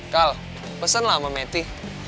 kal pesenlah sama meti